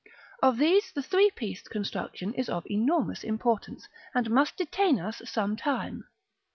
Of these the three pieced construction is of enormous importance, and must detain us some time.